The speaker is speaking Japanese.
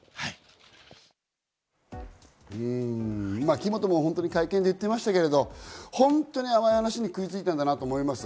木本も本当に会見で言ってましたけど、甘い話に食いついたんだなと思います。